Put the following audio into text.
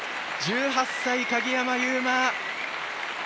１８歳、鍵山優真。